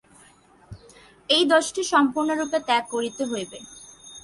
এই দোষটি সম্পূর্ণরূপে ত্যাগ করিতে হইবে।